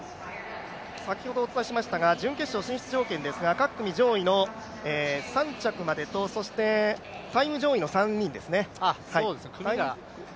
先ほどお伝えしましたが、準決勝進出条件ですが、各組上位の３着までとタイム上位の３人ですね。